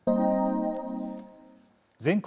全国